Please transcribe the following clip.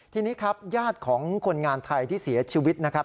ทีนี้ครับญาติของคนงานไทยที่เสียชีวิตนะครับ